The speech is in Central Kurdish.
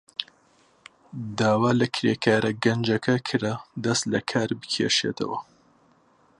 داوا لە کرێکارە گەنجەکە کرا دەست لەکار بکێشێتەوە.